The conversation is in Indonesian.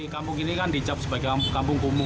kampung ini kan dicap sebagai kampung kumuh